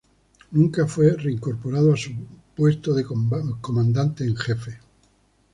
Nunca fue reincorporado a su puesto de comandante en jefe.